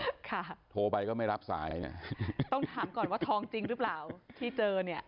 ค่ะโทรไปก็ไม่รับสายเนี้ยต้องถามก่อนว่าทองจริงหรือเปล่าที่เจอเนี่ย